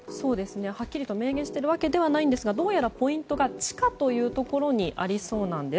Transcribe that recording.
はっきり明言しているわけではないですがポイントが地下ということにありそうです。